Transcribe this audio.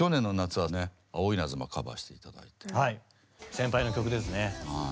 はい先輩の曲ですね。